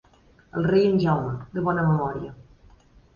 El rei en Jaume, de bona memòria.